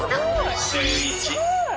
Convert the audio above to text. シューイチ。